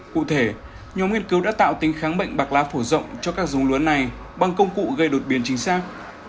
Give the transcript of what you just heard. cụ thể nhóm nghiên cứu đã tạo tính kháng bệnh bạc lá phổ rộng cho các dông lúa này bằng công cụ gây đột biến chính xác